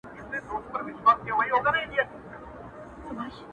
ستا د سونډو په ساغر کي را ايسار دی،